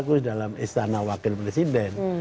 yang bagus dalam istana wakil presiden